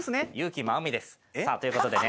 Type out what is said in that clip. さあということでね